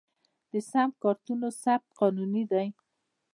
د سم کارتونو ثبت قانوني دی؟